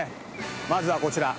まずはこちら。